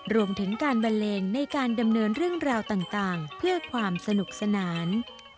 รวมถึงการบันเลงในการดำเนินเรื่องราวต่างเพื่อความสนุกสนาน